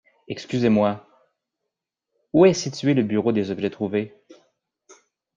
Excusez-moi, où est situé le bureau des objets trouvés?